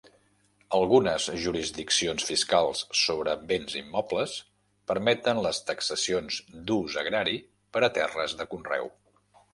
Algunes jurisdiccions fiscals sobre béns immobles permeten les taxacions d'ús agrari per a terres de conreu.